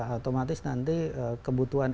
otomatis nanti kebutuhan